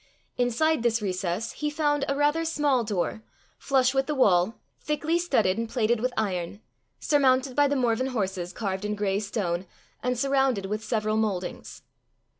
Inside this recess he found a rather small door, flush with the wall, thickly studded and plated with iron, surmounted by the Morven horses carved in gray stone, and surrounded with several mouldings.